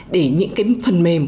để những cái phần mềm